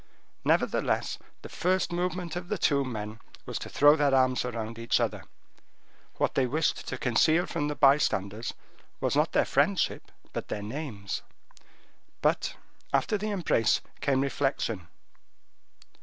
Nevertheless the first movement of the two men was to throw their arms around each other. What they wished to conceal from the bystanders, was not their friendship, but their names. But, after the embrace, came reflection.